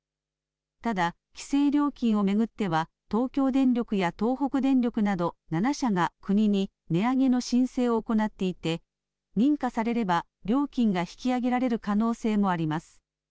ただ、規制料金を巡っては、東京電力や東北電力など、７社が国に値上げの申請を行っていて、認可されれば、料金が引き上げられる可能性もあります。